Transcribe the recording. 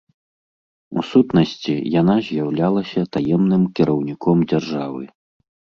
У сутнасці, яна з'яўлялася таемным кіраўніком дзяржавы.